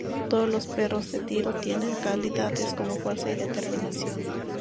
Todo los perros de tiro tienen calidades como fuerza y determinación.